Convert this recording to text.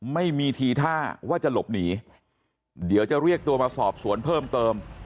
ไม่มีทีท่าว่าจะหลบหนีเดี๋ยวจะเรียกตัวมาสอบสวนเพิ่มเติม